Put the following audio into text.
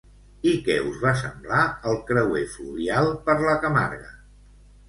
I què us va semblar el creuer fluvial per la Camarga?